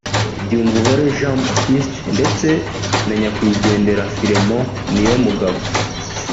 Byumvuhore Jean Baptiste ndetse na nyakwigendera Philemon Niyomugabo